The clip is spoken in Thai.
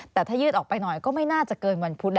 แต่ถ้ายืดออกไปหน่อยก็ไม่น่าจะเกินวันพุธแล้ว